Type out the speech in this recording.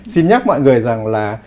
xin nhắc mọi người rằng là